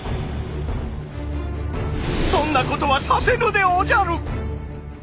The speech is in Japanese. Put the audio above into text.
そんなことはさせぬでおじゃる！